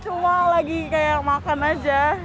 cuma lagi kayak makan aja